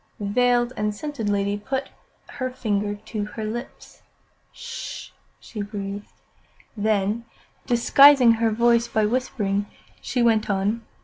The veiled and scented lady put her finger to her lips. "'Sh!" she breathed. Then, disguising her voice by whispering, she went on.